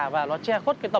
và nó che khuất